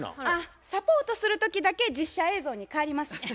あっサポートする時だけ実写映像に変わります。